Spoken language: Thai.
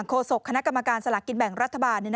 โศกคณะกรรมการสลากกินแบ่งรัฐบาล